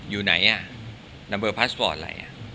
อยู่ไหนอ่ะแบบหัวหน้าพาซบอร์ตอะไรอ่ะ